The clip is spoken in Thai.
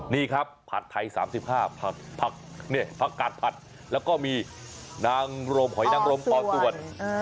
นี่ครับผัดไทย๓๕ผักกาดผัดแล้วก็มีนางรมหอยนางรมป่อส่วน